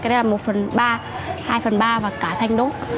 cái này là một phần ba hai phần ba và cả thanh đốt